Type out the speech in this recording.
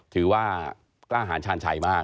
ถือว่ากล้าหาญชาญชัยมาก